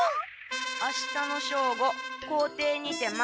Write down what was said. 「あしたの正午校庭にて待つ。